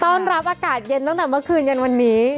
ต้อนรับอากาศเย็นตั้งแต่เมื่อคืนเย็นวันนี้